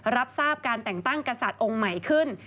รับทราบการแต่งตั้งกษัตริย์องค์ใหม่ขึ้น